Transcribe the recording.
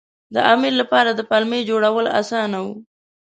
د امیر لپاره د پلمې جوړول اسانه وو.